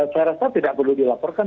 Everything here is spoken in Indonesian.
cara saya tidak perlu dilaporkan